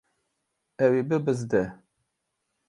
Ew ê bibizde.